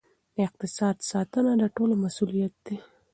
د اقتصاد ساتنه د ټولو مسؤلیت دی.